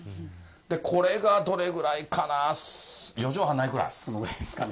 これがどれぐらいかな、４畳半なそのぐらいですかね。